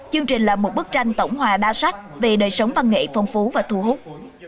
chương trình là một bức tranh tổng hòa đa sắc về đời sống văn nghệ phong phú và thu hút